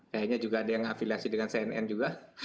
kayaknya juga ada yang afiliasi dengan cnn juga